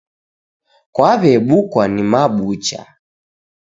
Kwaw'ebukwa ni mabucha.